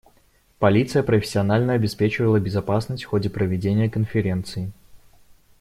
Полиция профессионально обеспечивала безопасность в ходе проведения конференции.